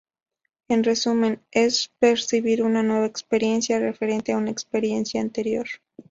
En resumen, es percibir nueva experiencia referente a una experiencia anterior.